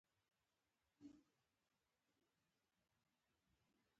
محمود کاکا ظالم دی.